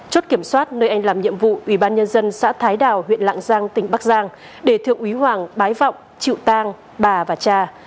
chốt kiểm soát nơi anh làm nhiệm vụ ủy ban nhân dân xã thái đào huyện lạng giang tỉnh bắc giang để thượng úy hoàng bái vọng chịu tang bà và cha